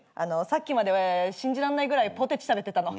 さっきまで信じらんないぐらいポテチ食べてたの。